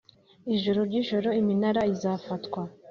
ijoro ryijoro iminara izafata